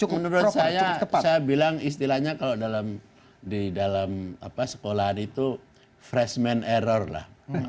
ya ini kalau menurut saya saya bilang istilahnya kalau dalam di dalam sekolah itu freshman error lah